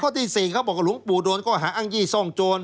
ที่๔เขาบอกว่าหลวงปู่โดนก็หาอ้างยี่ซ่องโจร